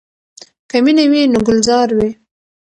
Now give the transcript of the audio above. که مینه وي نو ګلزار وي.